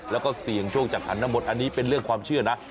แล้วก็เสี่ยงโชคจากหันนมตอันนี้เป็นเรื่องความเชื่อนะ